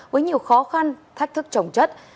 với nhiều khó khăn thách thức trồng chất